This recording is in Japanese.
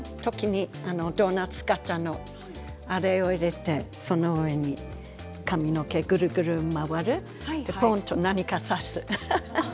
ドーナツ型のあれを入れてその上に髪の毛ぐるぐる回るぽんと何か挿す。